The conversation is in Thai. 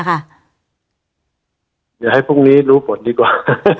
เดี๋ยวให้พรุ่งนี้รู้ผลดีกว่า